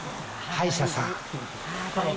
歯医者さん。